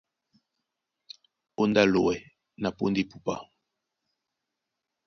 Póndá á lowɛ na póndá epupa.